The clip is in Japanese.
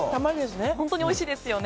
本当においしいですよね。